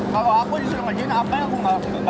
kalau aku disuruh ngerjain apa aku nggak suka